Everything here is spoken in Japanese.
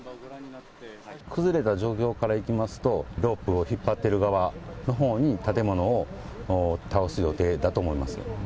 崩れた状況からいきますと、ロープを引っ張ってる側のほうに、建物を倒す予定だと思います。